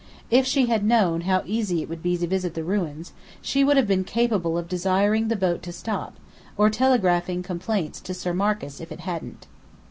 If she had known how easy it would be to visit the ruins, she would have been capable of desiring the boat to stop, or telegraphing complaints to Sir Marcus if it hadn't.